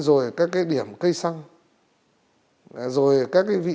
do trước đó đã hẹn với bạn gái